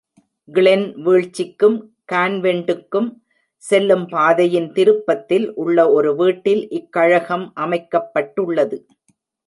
Glenn வீழ்ச்சிக்கும் கான்வெண்டுக்கும் செல்லும் பாதையின் திருப்பத்தில் உள்ள ஒரு வீட்டில் இக்கழகம் அமைக்கப்பட்டுள்ளது.